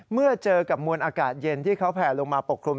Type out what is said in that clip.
เมื่อเจอกับมวลอากาศเย็นที่เขาแผ่ลงมาปกคลุม